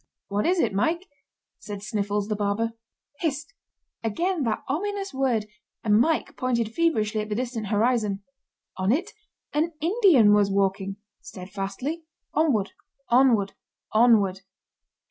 "What is it, Mike?" said Sniffles, the barber. "Hist!" Again that ominous word, and Mike pointed feverishly at the distant horizon. On it an Indian was walking, steadfastly, onward, onward, onward!